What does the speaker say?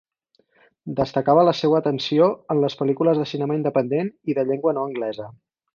Destacava la seua atenció en les pel·lícules de cinema independent i de llengua no anglesa.